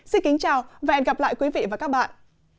xin kính chào và hẹn gặp lại quý vị và các bạn